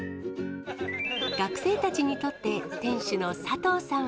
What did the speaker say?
学生たちにとって、店主の佐藤さんは。